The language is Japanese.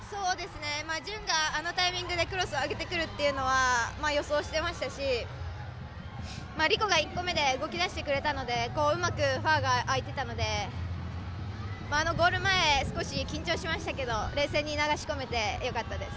純があのタイミングでクロスを上げることは予想していましたし理子が１個目で動き出してくれたのでうまくファーが空いていたのであのゴール前少し緊張しましたけど冷静に流し込めてよかったです。